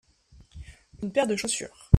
une paire de chaussures.